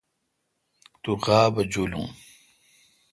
تو غابہ جولون۔